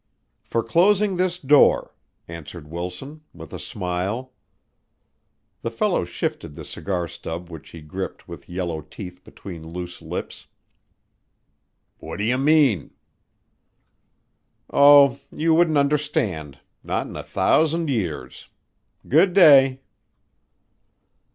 "For closing this door," answered Wilson, with a smile. The fellow shifted the cigar stub which he gripped with yellow teeth between loose lips. "What you mean?" "Oh, you wouldn't understand not in a thousand years. Good day."